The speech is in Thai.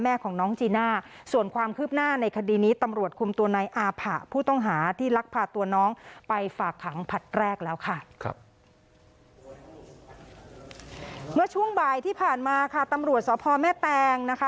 เมื่อช่วงบ่ายที่ผ่านมาค่ะตำรวจสพแม่แตงนะคะ